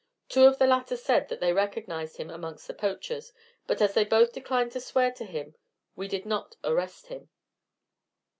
Two of the latter said that they recognized him amongst the poachers, but as they both declined to swear to him we did not arrest him."